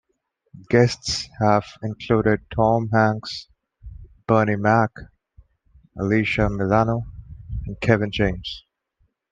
Guests have included Tom Hanks, Bernie Mac, Alyssa Milano and Kevin James.